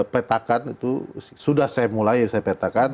petakan itu sudah saya mulai saya petakan